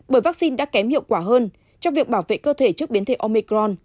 bởi vaccine đã kém hiệu quả hơn trong việc bảo vệ cơ thể trước biến thể omicron